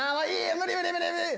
無理無理無理無理！